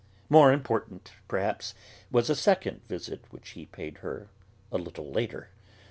More important, perhaps, was a second visit which he paid her, a little later.